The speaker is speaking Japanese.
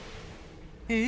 え！